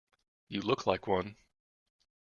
You look like one.